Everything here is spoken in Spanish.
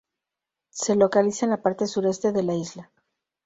Se localiza en la parte sureste de la isla.